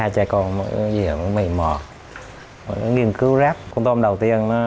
còn với nguyên liệu về mỏ tốt